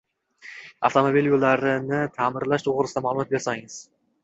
Avtomobil yo‘llarini ta’mirlash to‘g‘risida ma’lumot bersangiz?